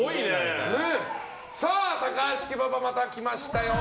さあ、高橋家パパまた来ましたよ。